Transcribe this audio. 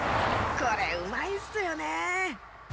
これうまいんすよね。